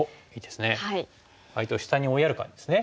相手を下に追いやる感じですね。